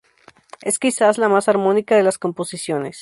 Es quizás la más armónica de las composiciones.